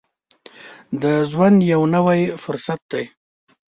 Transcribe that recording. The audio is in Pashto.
د ژوند یو نوی فرصت دی.